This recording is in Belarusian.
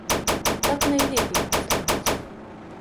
Так найлепей нам зрабіць!